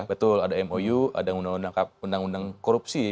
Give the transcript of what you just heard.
betul ada mou ada undang undang korupsi